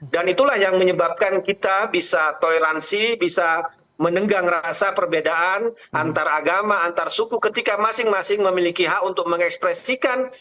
dan itulah yang menyebabkan kita bisa toylansi bisa menenggang rasa perbedaan antar agama antar suku ketika masing masing memiliki hak untuk mengekspresikan